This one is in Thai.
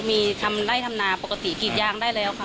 มีทำไร่ทำนาปกติกรีดยางได้แล้วค่ะ